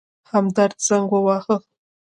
همدرد زنګ وواهه.